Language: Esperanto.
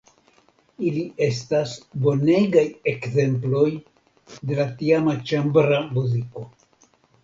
Ili estas bonegaj ekzemploj de la tiama ĉambra muziko.